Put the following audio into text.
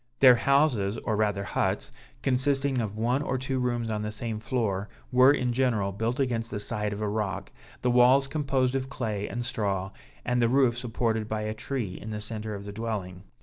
Their houses, or rather huts, consisting of one or two rooms on the same floor, were, in general, built against the side of a rock; the walls composed of clay and straw, and the roof supported by a tree in the centre of the dwelling.